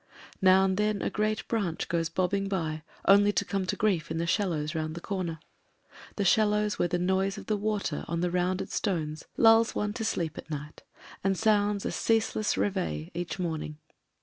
Now and then a great branch goes bobbing by, only to come to grief in the shallows round the comer — the shallows where the noise of the water on the rotmded stones lulls one 237 238 MEN, WOMEN AND GUNS to sleep at night, and sounds a ceaseless reveille each morning.